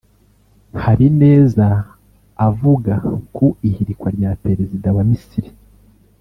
Habineza avuga ku ihirikwa rya Perezida wa Misiri